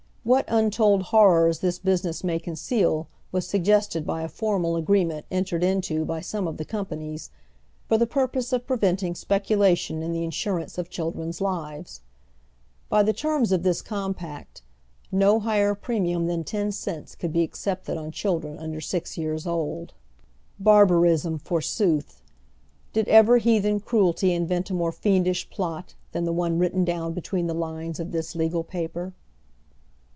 What untold horrors this business may conceal was sug gested by a formal agreement entered into by some of the companies, " for the purpose of preventing speculation in the insurance of children's lives." By tbe terms of this compact, " no higher premium than ten cents could be ac cepted on cliiidren under six years old." Barbarism for sooth ! Did ever heathen cruelty invent a more fiendish plot than the one written down between the lines of this legal paper?